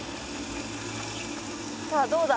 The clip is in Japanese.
さあどうだ？